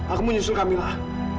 aku mau nyusul kamilah